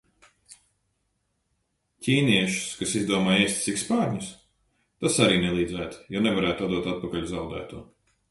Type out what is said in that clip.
Ķīniešus, kas izdomāja ēst sikspārņus? Tas arī nelīdzētu, jo nevarētu atdot atpakaļ zaudēto.